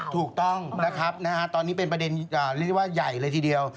ถูกต้องตอนนี้เป็นประเด็นใหญ่เลยทีเดียว